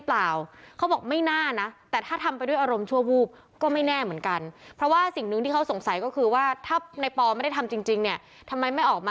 แล้วก็จริงนิสัยก็ค่อนข้างดี